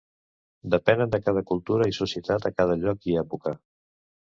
Depenen de cada cultura i societat, a cada lloc i època.